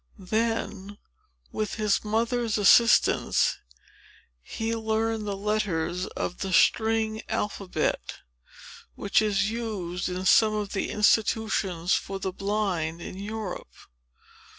Then, with his mother's assistance, he learned the letters of the string alphabet, which is used in some of the Institutions for the Blind, in Europe.